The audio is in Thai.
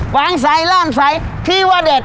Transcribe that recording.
ฟางไส้แล้งไส้ที่ว่าเด็ด